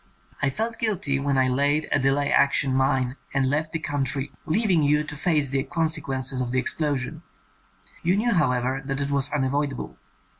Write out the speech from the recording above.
I felt guilty when I laid a delay action mine and left the country, leaving you to face the consequences of the explosion. You knew, however, that it was unavoidable.